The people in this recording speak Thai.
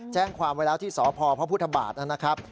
แจ้งความไว้แล้วที่สพพบนะครับ